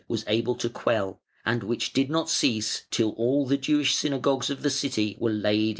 was able to quell, and which did not cease till all the Jewish synagogues of the city were laid in ashes.